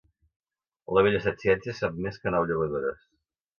La vella Setciències sap més que nou llevadores.